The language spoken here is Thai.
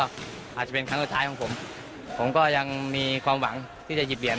อาจจะเป็นครั้งสุดท้ายของผมผมก็ยังมีความหวังที่จะหยิบเหรียญ